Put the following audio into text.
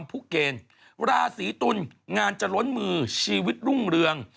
ทุกเกณฑ์ราศีตุลงานจะล้นมือชีวิตรุ่งเรือง